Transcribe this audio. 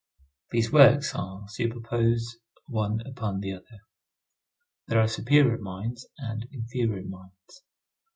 These works are superposed one upon the other. There are superior mines and inferior mines.